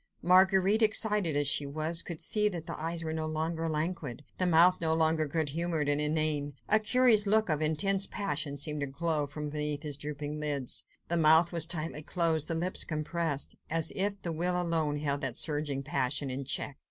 Marguerite, excited, as she was, could see that the eyes were no longer languid, the mouth no longer good humoured and inane. A curious look of intense passion seemed to glow from beneath his drooping lids, the mouth was tightly closed, the lips compressed, as if the will alone held that surging passion in check.